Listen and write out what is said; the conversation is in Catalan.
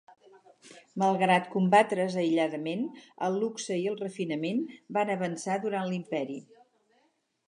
Malgrat combatre's aïlladament, el luxe i el refinament van avançar durant l'Imperi.